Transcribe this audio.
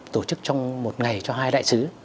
trong một ngày cho hai đại sứ